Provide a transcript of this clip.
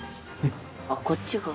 あっこっちが？